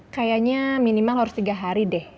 kayaknya minimal harus tiga hari deh